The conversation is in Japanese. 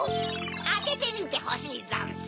あててみてほしいざんす。